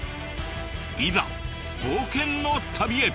いざ冒険の旅へ！